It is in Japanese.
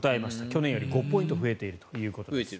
去年より５ポイント増えているということです。